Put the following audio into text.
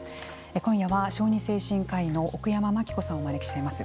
今夜は小児精神科医の奥山眞紀子さんをお招きしています。